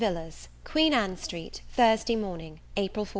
VILLARS Queen Ann Street, Thursday morning, April 14.